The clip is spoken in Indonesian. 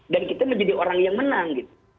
dan kita menjadi orang yang menang